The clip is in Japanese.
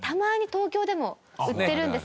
東京でも売ってるんですよ。